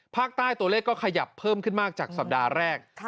ภาคใต้ตัวเลขก็ขยับเพิ่มขึ้นมากจากสัปดาห์แรก